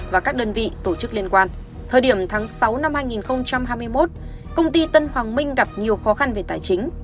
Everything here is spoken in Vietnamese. và các đơn vị tổ chức liên quan thời điểm tháng sáu năm hai nghìn hai mươi một công ty tân hoàng minh gặp nhiều khó khăn về tài chính